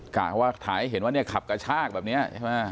กล่าวว่าถ่ายให้เห็นว่าขับกระชากแบบนี้ใช่ไหม